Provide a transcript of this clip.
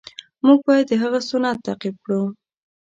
مونږ باید د هغه سنت تعقیب کړو.